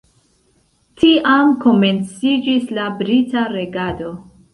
Tiam komenciĝis la brita regado.